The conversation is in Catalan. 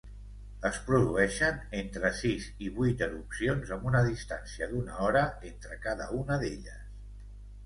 Es produeixen entre sis i vuit erupcions amb una distància d'una hora entre cada una d'elles.